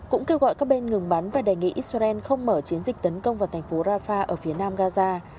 cũng kêu gọi các bên ngừng bắn và đề nghị israel không mở chiến dịch tấn công vào thành phố rafah ở phía nam gaza